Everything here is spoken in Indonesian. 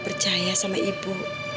percaya sama ibu